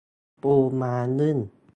ปูม้านึ่ง